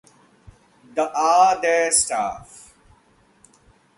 The are their staff.